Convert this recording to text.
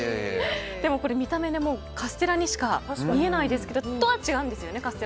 でも見た目はカステラにしか見えないですけど違うんですよね。